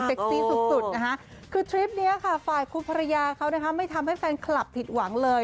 เซ็กซี่สุดคือทริปนี้ฝ่ายคุณภรรยาเขาไม่ทำให้แฟนคลับถิดหวังเลย